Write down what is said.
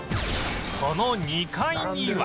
その２階には